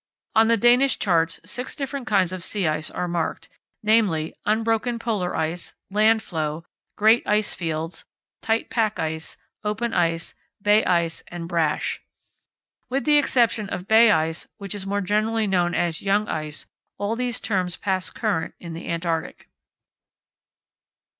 On the Danish charts six different kinds of sea ice are marked—namely, unbroken polar ice; land floe; great ice fields; tight pack ice; open ice; bay ice and brash. With the exception of bay ice, which is more generally known as young ice, all these terms pass current in the Antarctic.